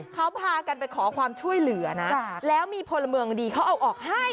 เขาพากันไปขอความช่วยเหลือนะแล้วมีพลเมืองดีเขาเอาออกให้